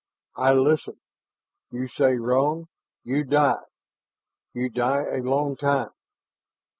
I listen. You say wrong, you die you die a long time.